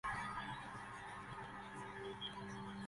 Las categorías han ido variando en las sucesivas ediciones.